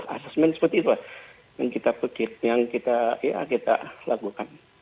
assessment seperti itulah yang kita pekit yang kita ya kita lakukan